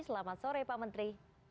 selamat sore pak menteri